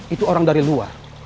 itu orang dari luar